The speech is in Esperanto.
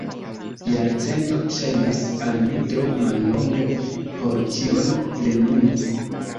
Jarcento ŝajnas al mi tro mallonga, por ĉion plenumi!